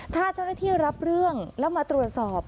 ถ้าเจ้าหน้าที่รับเรื่องแล้วมาตรวจสอบ